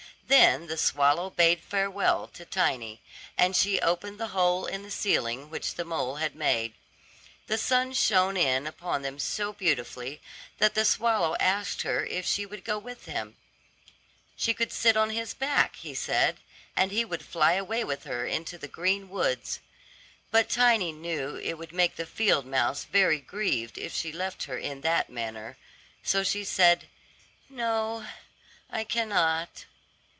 Then the swallow bade farewell to Tiny, and she opened the hole in the ceiling which the mole had made. The sun shone in upon them so beautifully, that the swallow asked her if she would go with him; she could sit on his back, he said, and he would fly away with her into the green woods. But Tiny knew it would make the field mouse very grieved if she left her in that manner, so she said, "No, I cannot."